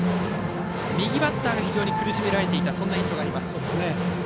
右バッターが非常に苦しめられていたそんな印象があります。